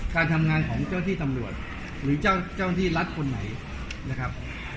การทำงานของเจ้าที่ตำรวจหรือเจ้าหน้าที่รัฐคนไหนนะครับ